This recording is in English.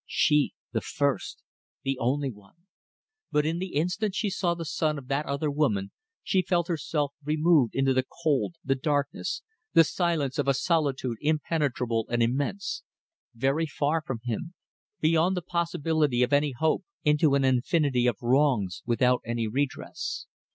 She the first the only one! But in the instant she saw the son of that other woman she felt herself removed into the cold, the darkness, the silence of a solitude impenetrable and immense very far from him, beyond the possibility of any hope, into an infinity of wrongs without any redress.